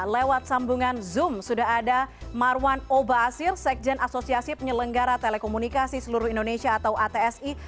lewat sambungan zoom sudah ada marwan obaasir sekjen asosiasi penyelenggara telekomunikasi seluruh indonesia atau atsi